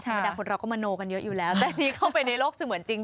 ธรรมดาคนเราก็มโนกันเยอะอยู่แล้วแต่อันนี้เข้าไปในโลกเสมือนจริง